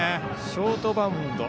ショートバウンド。